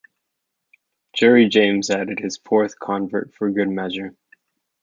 Gerry James added his fourth convert for good measure.